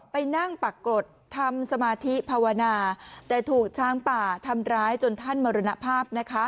ไปนั่งปรากฏทำสมาธิภาวนาแต่ถูกช้างป่าทำร้ายจนท่านมรณภาพนะคะ